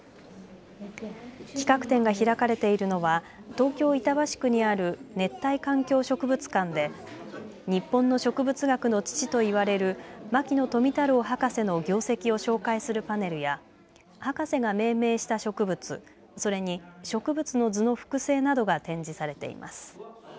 企画展が開かれているのは東京板橋区にある熱帯環境植物館で日本の植物学の父と言われる牧野富太郎博士の業績を紹介するパネルや博士が命名した植物、それに植物の図の複製などが展示されています。